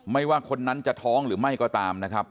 ไม่ว่าคนนั้นจะท้องหรือไม่ก็ตามนะครับ